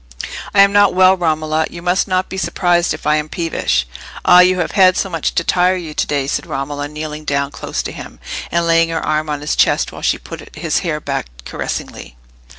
"I am not well, Romola; you must not be surprised if I am peevish." "Ah, you have had so much to tire you to day," said Romola, kneeling down close to him, and laying her arm on his chest while she put his hair back caressingly.